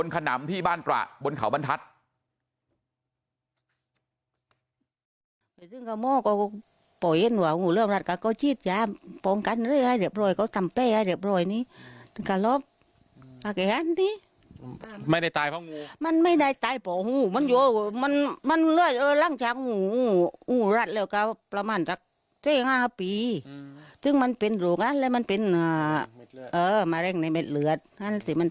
อ๋อค่ะไม่ได้เสียชีวิตที่ขนำไม่ได้เสียชีวิตบนขนำที่บ้านตราบนเขาบรรทัศน์